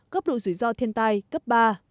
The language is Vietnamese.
gấp độ dùi do thiên tai cấp ba